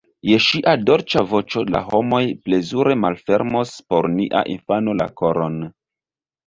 Je ŝia dolĉa voĉo la homoj plezure malfermos por nia infano la koron.